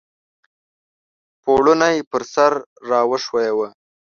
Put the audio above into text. پوړنی پر سر را وښویوه !